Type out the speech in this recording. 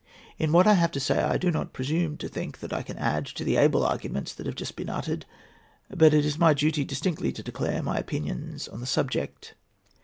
In what I have to say, I do not presume to think that I can add to the able arguments that have just been uttered; but it is my duty distinctly to declare my opinions on the subject.